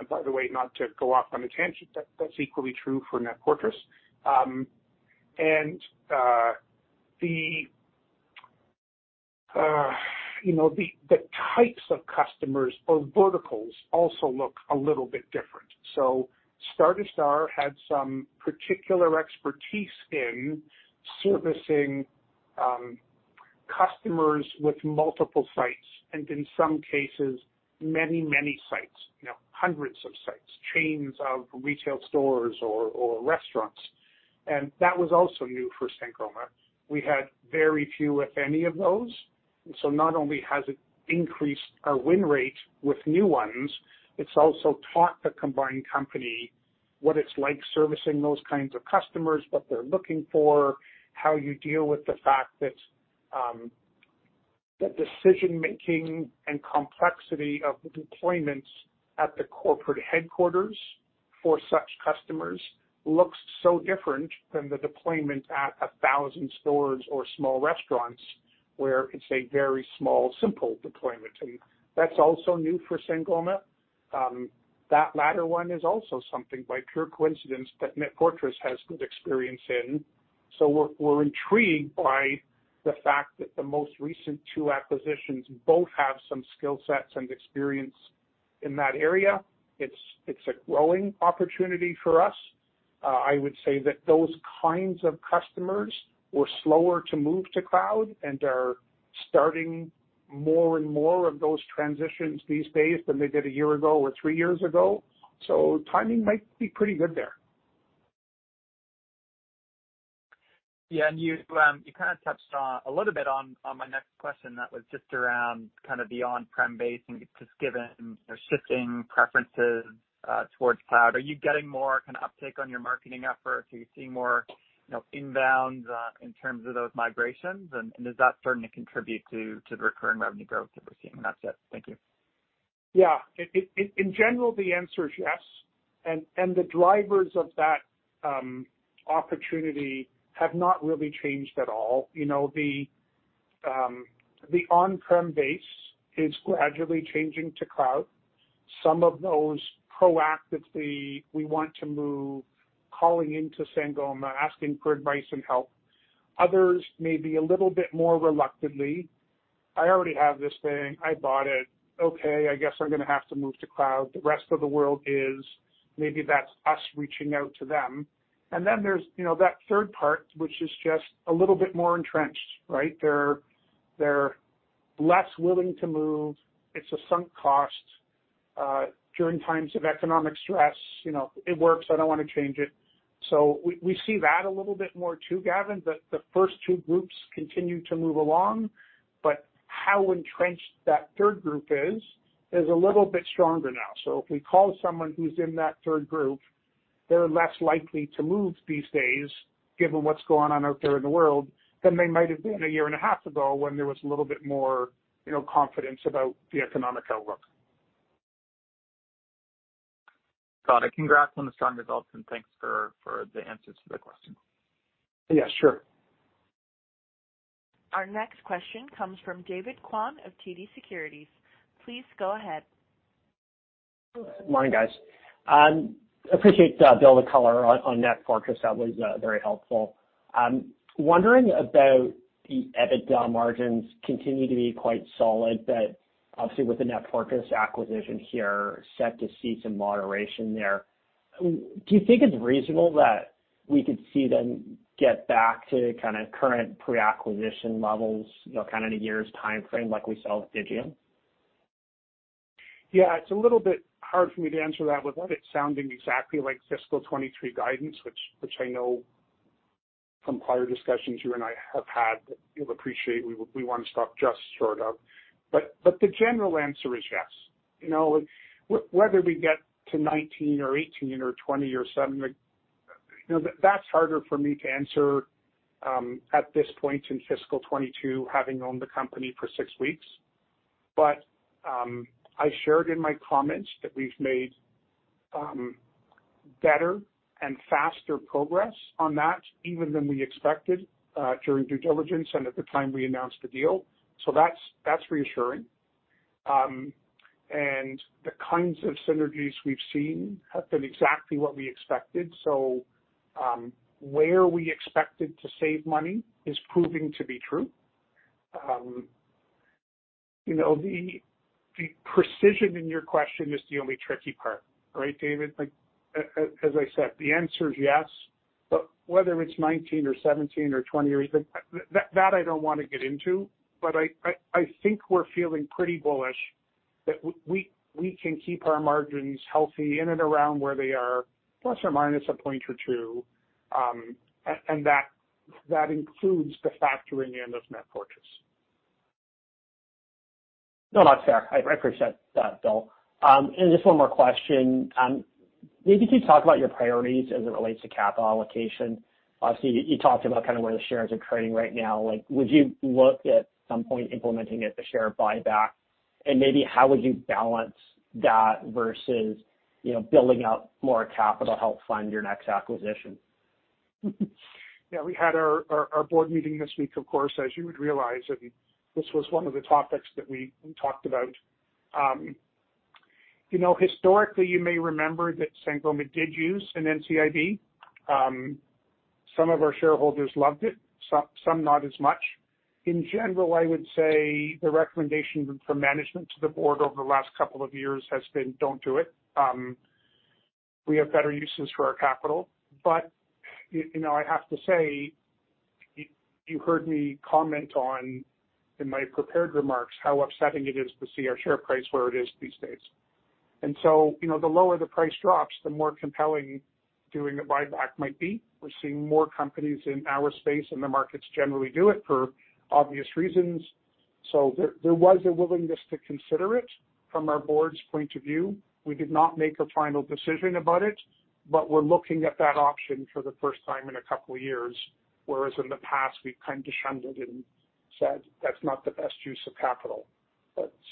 By the way, not to go off on a tangent, that's equally true for NetFortris. You know, the types of customers or verticals also look a little bit different. Star2Star had some particular expertise in servicing customers with multiple sites, and in some cases many sites, you know, hundreds of sites, chains of retail stores or restaurants. That was also new for Sangoma. We had very few, if any, of those. Not only has it increased our win rate with new ones, it's also taught the combined company what it's like servicing those kinds of customers, what they're looking for, how you deal with the fact that the decision-making and complexity of the deployments at the corporate headquarters for such customers looks so different than the deployment at a thousand stores or small restaurants where it's a very small, simple deployment. That's also new for Sangoma. That latter one is also something by pure coincidence that NetFortris has good experience in. We're intrigued by the fact that the most recent two acquisitions both have some skill sets and experience in that area. It's a growing opportunity for us. I would say that those kinds of customers were slower to move to cloud and are starting more and more of those transitions these days than they did a year ago or three years ago. Timing might be pretty good there. Yeah. You kinda touched on a little bit on my next question that was just around kinda the on-prem base and just given, you know, shifting preferences towards cloud, are you getting more kinda uptake on your marketing efforts? Are you seeing more, you know, inbounds in terms of those migrations? Is that starting to contribute to the recurring revenue growth that we're seeing? That's it. Thank you. Yeah, in general, the answer is yes. The drivers of that opportunity have not really changed at all. You know, the on-prem base is gradually changing to cloud. Some of those proactively we want to move, calling into Sangoma, asking for advice and help. Others may be a little bit more reluctantly. I already have this thing. I bought it. Okay, I guess I'm gonna have to move to cloud. The rest of the world is. Maybe that's us reaching out to them. There's, you know, that third part, which is just a little bit more entrenched, right? They're less willing to move. It's a sunk cost during times of economic stress. You know, it works. I don't wanna change it. We see that a little bit more too, Gavin. The first two groups continue to move along, but how entrenched that third group is a little bit stronger now. If we call someone who's in that third group, they're less likely to move these days given what's going on out there in the world than they might have been a year and a half ago when there was a little bit more, you know, confidence about the economic outlook. Got it. Congrats on the strong results, and thanks for the answers to the questions. Yeah, sure. Our next question comes from David Kwan of TD Securities. Please go ahead. Morning, guys. Appreciate, Bill, the color on NetFortris. That was very helpful. Wondering about the EBITDA margins continue to be quite solid, but obviously with the NetFortris acquisition here set to see some moderation there. Do you think it's reasonable that we could see them get back to kinda current pre-acquisition levels, you know, kinda in a year's timeframe like we saw with Digium? Yeah, it's a little bit hard for me to answer that without it sounding exactly like fiscal 2023 guidance, which I know from prior discussions you and I have had, you'll appreciate we wanna stop just short of. The general answer is yes. You know, whether we get to 19 or 18 or 20 or seven, like, you know, that's harder for me to answer at this point in fiscal 2022, having owned the company for six weeks. I shared in my comments that we've made better and faster progress on that even than we expected during due diligence and at the time we announced the deal. That's reassuring. The kinds of synergies we've seen have been exactly what we expected. Where we expected to save money is proving to be true. You know, the precision in your question is the only tricky part, right, David? Like, as I said, the answer is yes, but whether it's 19% or 17% or 20% or even that I don't wanna get into. I think we're feeling pretty bullish that we can keep our margins healthy in and around where they are, plus or minus a point or two, and that includes the factoring in of NetFortris. No, that's fair. I appreciate that, Bill. Just one more question. Maybe could you talk about your priorities as it relates to capital allocation? Obviously, you talked about kinda where the shares are trading right now. Like, would you look at some point implementing a, the share buyback, and maybe how would you balance that versus, you know, building out more capital to help fund your next acquisition? Yeah. We had our board meeting this week, of course, as you would realize, and this was one of the topics that we talked about. You know, historically, you may remember that Sangoma did use an NCIB. Some of our shareholders loved it, some not as much. In general, I would say the recommendation from management to the board over the last couple of years has been, "Don't do it. We have better uses for our capital." You know, I have to say, you heard me comment on in my prepared remarks, how upsetting it is to see our share price where it is these days. You know, the lower the price drops, the more compelling doing a buyback might be. We're seeing more companies in our space, and the markets generally do it for obvious reasons. There was a willingness to consider it from our board's point of view. We did not make a final decision about it, but we're looking at that option for the first time in a couple years, whereas in the past we've kind of shunned it and said, "That's not the best use of capital."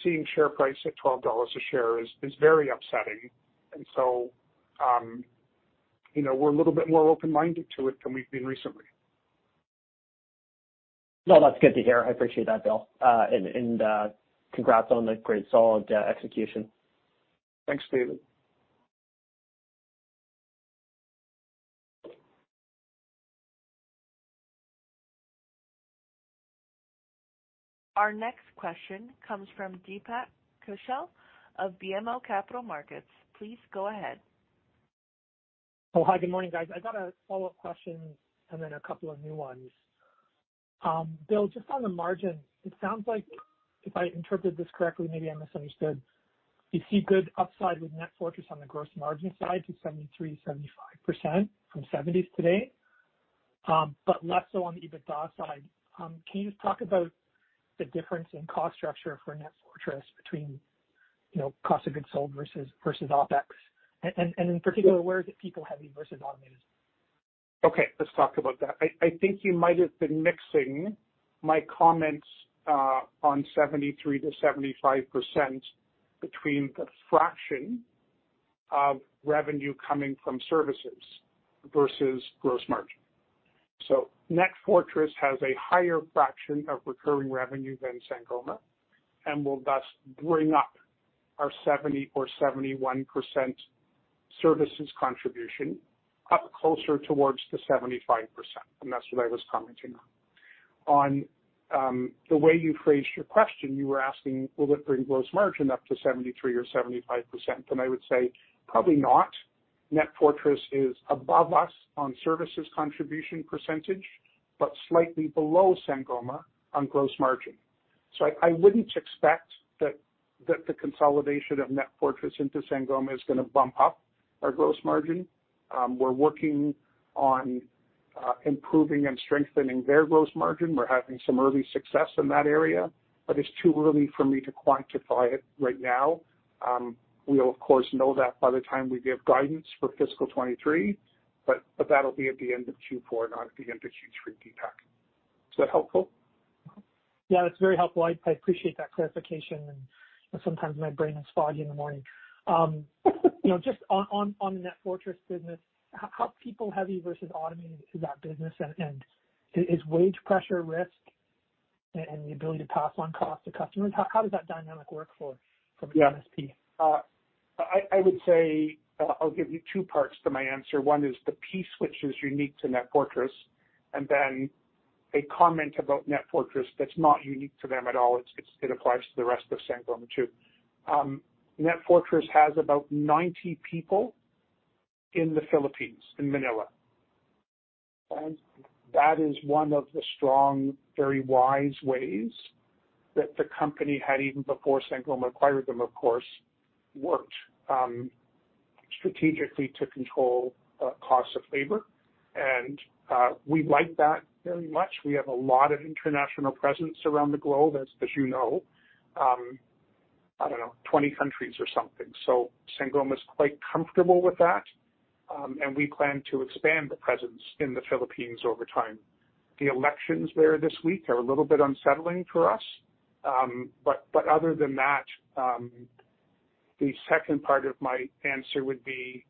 Seeing share price at $12 a share is very upsetting. You know, we're a little bit more open-minded to it than we've been recently. No, that's good to hear. I appreciate that, Bill. Congrats on the great solid execution. Thanks, David. Our next question comes from Deepak Kaushal of BMO Capital Markets. Please go ahead. Oh, hi. Good morning, guys. I've got a follow-up question and then a couple of new ones. Bill, just on the margin, it sounds like, if I interpreted this correctly, maybe I misunderstood, you see good upside with NetFortris on the gross margin side to 73%-75% from 70s today, but less so on the EBITDA side. Can you just talk about the difference in cost structure for NetFortris between, you know, cost of goods sold versus OpEx? In particular, where is it people-heavy versus automated? Okay, let's talk about that. I think you might have been mixing my comments on 73%-75% between the fraction of revenue coming from services versus gross margin. NetFortris has a higher fraction of recurring revenue than Sangoma and will thus bring up our 70% or 71% services contribution up closer towards the 75%. That's what I was commenting on. On the way you phrased your question, you were asking, will it bring gross margin up to 73% or 75%? I would say probably not. NetFortris is above us on services contribution percentage, but slightly below Sangoma on gross margin. I wouldn't expect that the consolidation of NetFortris into Sangoma is gonna bump up our gross margin. We're working on improving and strengthening their gross margin. We're having some early success in that area, but it's too early for me to quantify it right now. We'll of course know that by the time we give guidance for fiscal 2023, but that'll be at the end of Q4, not at the end of Q3, Deepak. Is that helpful? Yeah, that's very helpful. I appreciate that clarification, and sometimes my brain is foggy in the morning. You know, just on the NetFortris business, how people heavy versus automated is that business? And is wage pressure a risk and the ability to pass on cost to customers? How does that dynamic work for. Yeah. From an MSP? I would say I'll give you two parts to my answer. One is the piece which is unique to NetFortris, and then a comment about NetFortris that's not unique to them at all, it applies to the rest of Sangoma too. NetFortris has about 90 people in the Philippines, in Manila. That is one of the strong, very wise ways that the company had, even before Sangoma acquired them, of course, worked strategically to control costs of labor. We like that very much. We have a lot of international presence around the globe, as you know. I don't know, 20 countries or something. Sangoma is quite comfortable with that, and we plan to expand the presence in the Philippines over time. The elections there this week are a little bit unsettling for us. Other than that, the second part of my answer would be,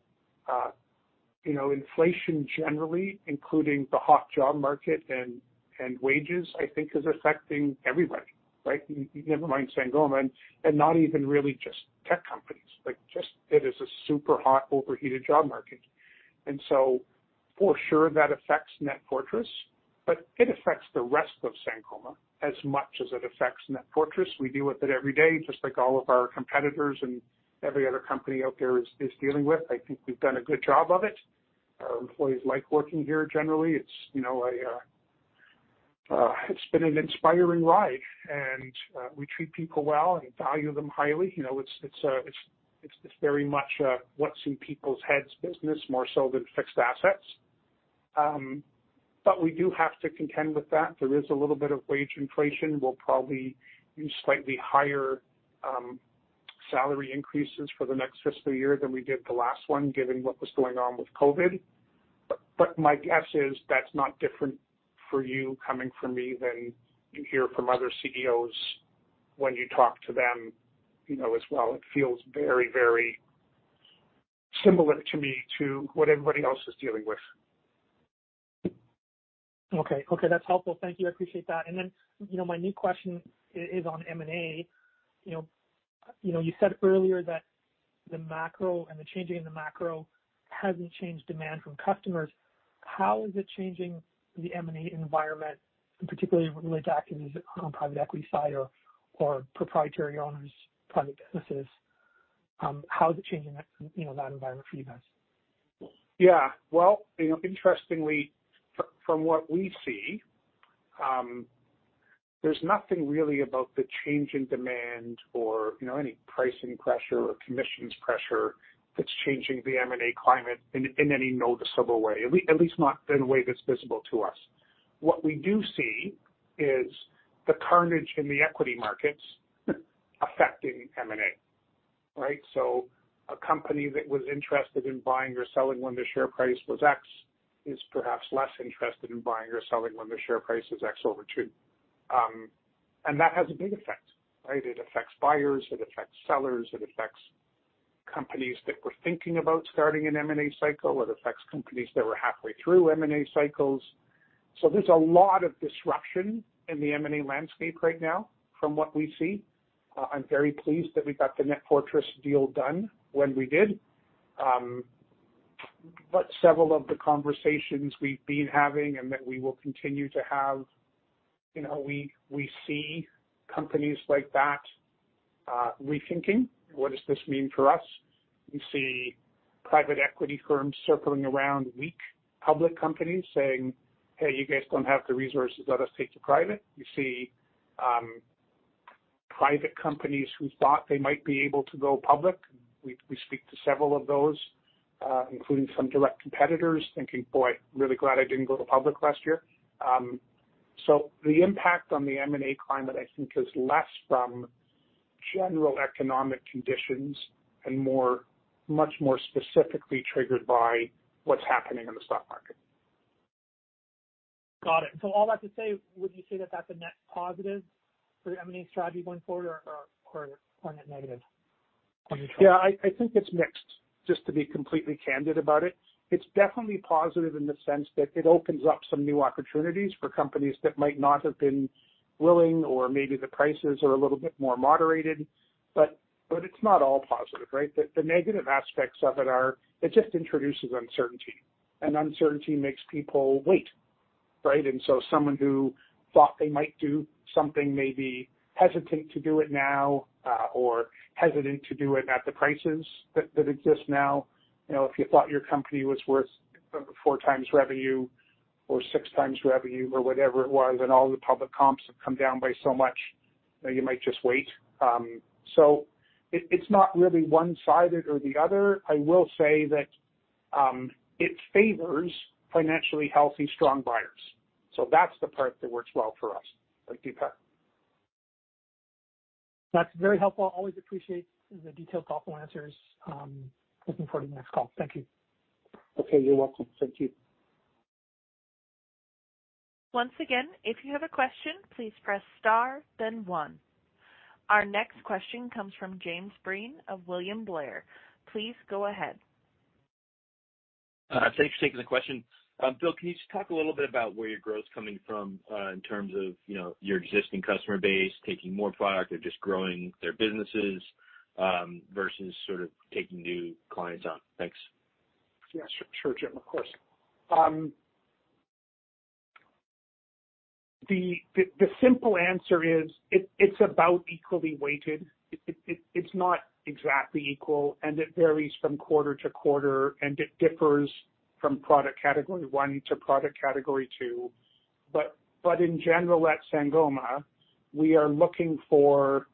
you know, inflation generally, including the hot job market and wages, I think is affecting everybody, right? Never mind Sangoma, and not even really just tech companies. Like, just it is a super hot, overheated job market. For sure that affects NetFortris, but it affects the rest of Sangoma as much as it affects NetFortris. We deal with it every day, just like all of our competitors and every other company out there is dealing with. I think we've done a good job of it. Our employees like working here generally. It's, you know, it's been an inspiring ride and we treat people well and value them highly. You know, it's very much a what's in people's heads business, more so than fixed assets. But we do have to contend with that. There is a little bit of wage inflation. We'll probably use slightly higher salary increases for the next fiscal year than we did the last one, given what was going on with COVID. But my guess is that's not different for you coming from me than you hear from other CEOs when you talk to them, you know, as well. It feels very, very similar to me to what everybody else is dealing with. Okay. That's helpful. Thank you. I appreciate that. Then, you know, my new question is on M&A. You know, you said earlier that the macro and the changing in the macro hasn't changed demand from customers. How is it changing the M&A environment, and particularly related to activities on private equity side or proprietary owners, private businesses, how is it changing that, you know, that environment for you guys? Yeah. Well, you know, interestingly, from what we see, there's nothing really about the change in demand or, you know, any pricing pressure or commissions pressure that's changing the M&A climate in any noticeable way, at least not in a way that's visible to us. What we do see is the carnage in the equity markets affecting M&A, right? A company that was interested in buying or selling when the share price was X is perhaps less interested in buying or selling when the share price is X over two. That has a big effect, right? It affects buyers, it affects sellers, it affects companies that were thinking about starting an M&A cycle. It affects companies that were halfway through M&A cycles. There's a lot of disruption in the M&A landscape right now from what we see. I'm very pleased that we got the NetFortris deal done when we did. Several of the conversations we've been having and that we will continue to have, you know, we see companies like that rethinking what does this mean for us? We see private equity firms circling around weak public companies saying, "Hey, you guys don't have the resources. Let us take you private." We see private companies who thought they might be able to go public. We speak to several of those, including some direct competitors thinking, "Boy, really glad I didn't go public last year." The impact on the M&A climate, I think, is less from general economic conditions and more, much more specifically triggered by what's happening in the stock market. Got it. All that to say, would you say that that's a net positive for your M&A strategy going forward or net negative? Yeah, I think it's mixed, just to be completely candid about it. It's definitely positive in the sense that it opens up some new opportunities for companies that might not have been willing or maybe the prices are a little bit more moderated, but it's not all positive, right? The negative aspects of it are, it just introduces uncertainty, and uncertainty makes people wait, right? Someone who thought they might do something may be hesitant to do it now, or hesitant to do it at the prices that exist now. You know, if you thought your company was worth 4x revenue or 6x revenue or whatever it was, and all the public comps have come down by so much, you might just wait. So it's not really one-sided or the other. I will say that, it favors financially healthy, strong buyers, so that's the part that works well for us at Deepak. That's very helpful. Always appreciate the detailed, thoughtful answers. Looking forward to the next call. Thank you. Okay, you're welcome. Thank you. Once again, if you have a question, please press star then one. Our next question comes from James Breen of William Blair. Please go ahead. Thanks for taking the question. Bill, can you just talk a little bit about where your growth is coming from, in terms of, you know, your existing customer base taking more product or just growing their businesses, versus sort of taking new clients on? Thanks. Yeah, sure, Jim. Of course. The simple answer is it's about equally weighted. It's not exactly equal, and it varies from quarter to quarter, and it differs from product category one to product category two. In general, at Sangoma, we are looking for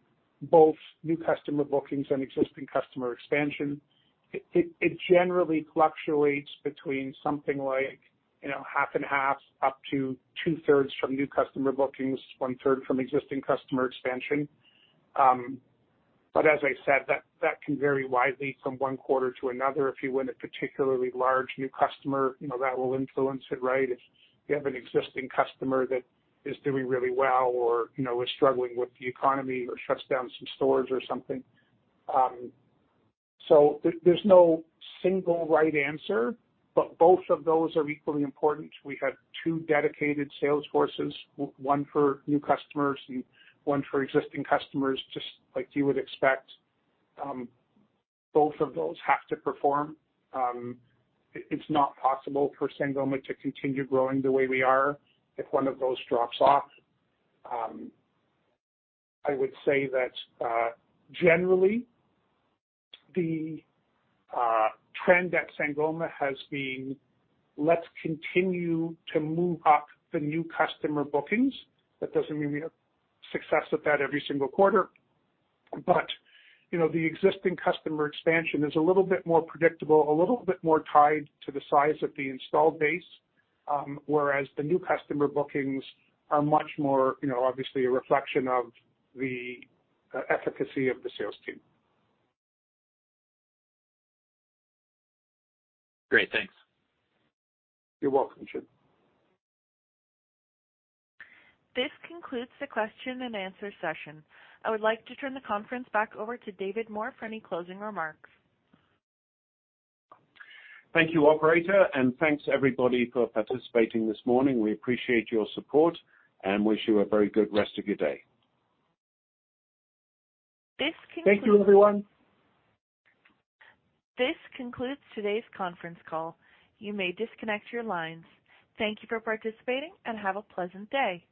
both new customer bookings and existing customer expansion. It generally fluctuates between something like, you know, half and half, up to 2/3 from new customer bookings, 1/3 from existing customer expansion. As I said, that can vary widely from one quarter to another. If you win a particularly large new customer, you know, that will influence it, right? If you have an existing customer that is doing really well or, you know, is struggling with the economy or shuts down some stores or something. There's no single right answer, but both of those are equally important. We have two dedicated sales forces, one for new customers and one for existing customers, just like you would expect. Both of those have to perform. It's not possible for Sangoma to continue growing the way we are if one of those drops off. I would say that generally the trend at Sangoma has been, let's continue to move up the new customer bookings. That doesn't mean we have success with that every single quarter. You know, the existing customer expansion is a little bit more predictable, a little bit more tied to the size of the installed base, whereas the new customer bookings are much more, you know, obviously a reflection of the efficacy of the sales team. Great. Thanks. You're welcome, Jim. This concludes the question and answer session. I would like to turn the conference back over to David Moore for any closing remarks. Thank you, operator, and thanks everybody for participating this morning. We appreciate your support and wish you a very good rest of your day. This concludes. Thank you, everyone. This concludes today's conference call. You may disconnect your lines. Thank you for participating and have a pleasant day.